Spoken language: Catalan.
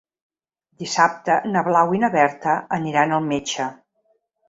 Dissabte na Blau i na Berta aniran al metge.